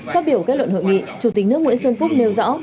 phát biểu kết luận hội nghị chủ tịch nước nguyễn xuân phúc nêu rõ